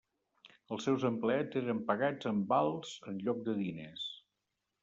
Els seus empleats eren pagats en vals en lloc de diners.